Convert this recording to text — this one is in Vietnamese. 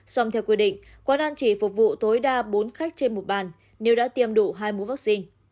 xong theo quy định quán ăn chỉ phục vụ tối đa bốn khách trên một bàn nếu đã tiêm đủ hai mũ vaccine